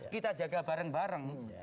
kita jaga bareng bareng